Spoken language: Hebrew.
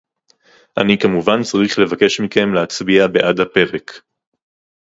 אני כמובן צריך לבקש מכם להצביע בעד הפרק